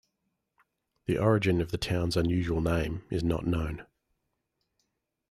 The origin of the town's unusual name is not known.